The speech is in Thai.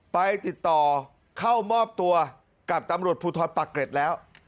ไปติดต่อเข้ามอบตัวกับตำรวจภูทรปักเกร็ดแล้ว